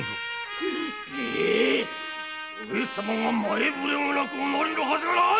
上様が前ぶれもなくお成りのはずがない！